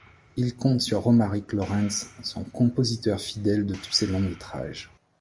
Il compte sur Romaric Laurence, son compositeur fidèle de tous ses longs métrages.